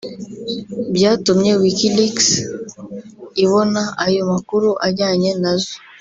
byatumye WikiLeaks ibona ayo makuru ajyanye na zo